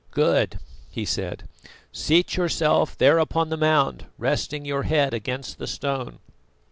"Good," he said. "Seat yourself there upon the mound, resting your head against the stone."